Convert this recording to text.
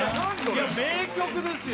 いや名曲ですよ